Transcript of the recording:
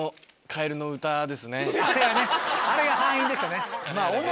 あれが敗因でしたね。